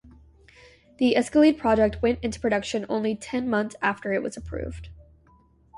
The Escalade project went into production only ten months after it was approved.